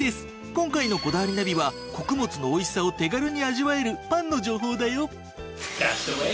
今回の『こだわりナビ』は穀物の美味しさを手軽に味わえるパンの情報だよ。